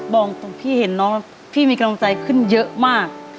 บอกตรงพี่เห็นน้องแล้วพี่มีกำลังใจขึ้นเยอะมาก